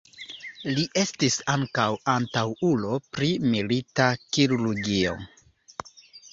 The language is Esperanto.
Li estis ankaŭ antaŭulo pri milita kirurgio.